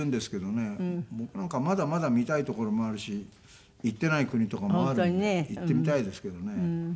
僕なんかまだまだ見たい所もあるし行ってない国とかもあるんで行ってみたいですけどね。